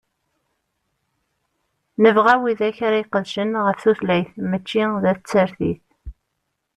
Nebɣa widak ara iqedcen ɣef tutlayt, mačči d at tsertit.